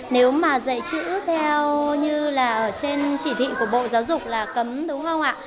nếu mà dạy chữ theo như là ở trên chỉ thị của bộ giáo dục là cấm đúng không ạ